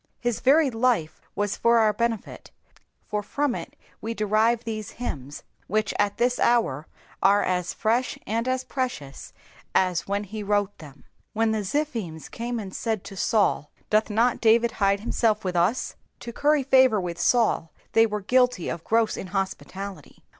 His varied life was for our ben^, for from U we derive these hymns, which at this hour are as fresh and as precious as when he wrote them. When the Ziphims came and said to Sanl, Doth not David hide himself with us? To curry favour with Saul they were guilty of gross inhospUalUy.